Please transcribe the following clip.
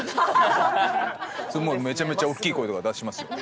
もうめちゃめちゃ大きい声とか出しますよ。